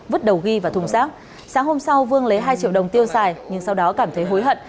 vứt đầu ghi vào thùng rác sáng hôm sau vương lấy hai triệu đồng tiêu xài nhưng sau đó cảm thấy hối hận